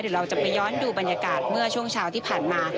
เดี๋ยวเราจะไปย้อนดูบรรยากาศเมื่อช่วงเช้าที่ผ่านมา